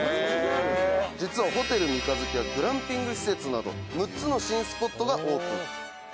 「実はホテル三日月はグランピング施設など６つの新スポットがオープン」